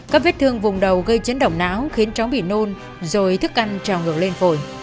các vết thương vùng đầu gây chấn động não khiến cháu bị nôn rồi thức ăn trào ngược lên phổi